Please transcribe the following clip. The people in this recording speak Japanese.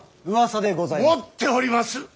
うわさでございます。